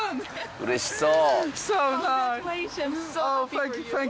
うれしそう。